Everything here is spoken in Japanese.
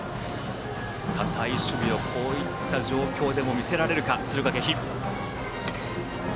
堅い守備をこういった状況でも見せられるか、敦賀気比。